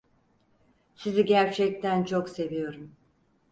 Sizi gerçekten çok seviyorum!